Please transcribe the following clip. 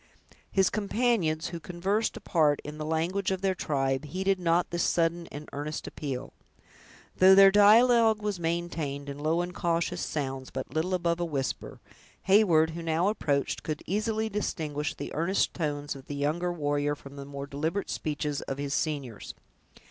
His companions, who conversed apart in the language of their tribe, heeded not this sudden and earnest appeal. Though their dialogue was maintained in low and cautious sounds, but little above a whisper, Heyward, who now approached, could easily distinguish the earnest tones of the younger warrior from the more deliberate speeches of his seniors.